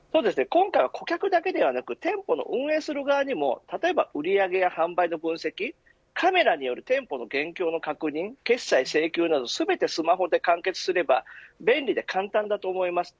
今回は顧客だけではなく店舗の運営する側にも例えば売上や販売の分析カメラによる店舗の現況の確認決済、請求など全てスマホで完結すれば便利で簡単だと思います。